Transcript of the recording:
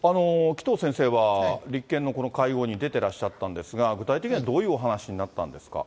紀藤先生は、立憲のこの会合に出てらっしゃったんですが、具体的にはどういうお話になったんですか。